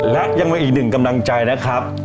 และยังมีอีกหนึ่งกำลังใจนะครับ